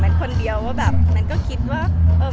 แม็กซ์ก็คือหนักที่สุดในชีวิตเลยจริง